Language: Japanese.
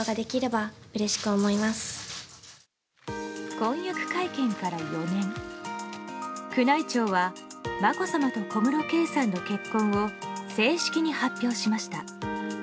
婚約会見から４年、宮内庁はまこさまと小室圭さんの結婚を正式に発表しました。